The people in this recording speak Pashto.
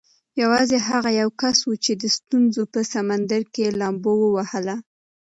یوازې هغه یو کس و چې د ستونزو په سمندر کې یې لامبو ووهله.